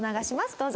どうぞ。